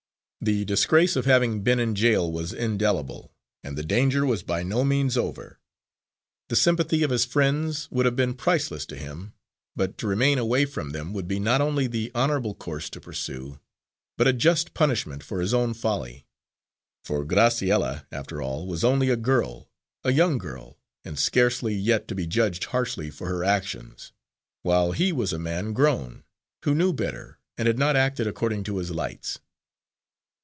The disgrace of having been in jail was indelible, and the danger was by no means over. The sympathy of his friends would have been priceless to him, but to remain away from them would be not only the honourable course to pursue, but a just punishment for his own folly. For Graciella, after all, was only a girl a young girl, and scarcely yet to be judged harshly for her actions; while he was a man grown, who knew better, and had not acted according to his lights.